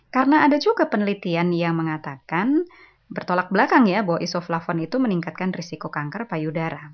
karena ada juga penelitian yang mengatakan bertolak belakang ya bahwa isoflavon itu meningkatkan risiko kanker payudara